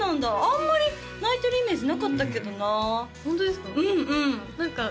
あんまり泣いてるイメージなかったけどなホントですか？